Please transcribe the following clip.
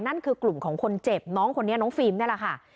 นั่นคือกลุ่มของคนเจ็บน้องคนนี้น้องฟิล์มนี่แหละค่ะ